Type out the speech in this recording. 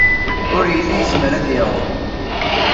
Ur yelli yezmer ad iɛum.